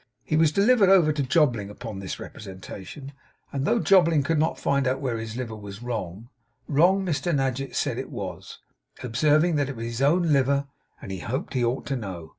He was delivered over to Jobling upon this representation; and though Jobling could not find out where his liver was wrong, wrong Mr Nadgett said it was; observing that it was his own liver, and he hoped he ought to know.